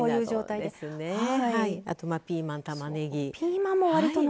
あとはピーマン、たまねぎ。